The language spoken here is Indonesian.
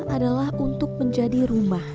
adalah untuk menjadi rumah